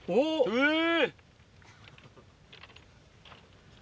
うん。